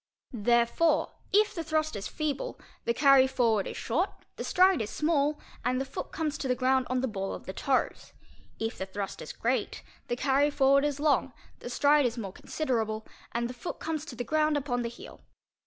Therefore, if the thrust is feeble, the carry forward is short, the stride is small, and the foot comes to the ground on the ball of the toes; if the thrust is great, the carry forward is long, the stride is more considerable, and the foot comes to the ground upon the heel.